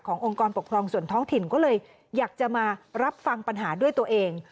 องค์กรปกครองส่วนท้องถิ่นก็เลยอยากจะมารับฟังปัญหาด้วยตัวเอง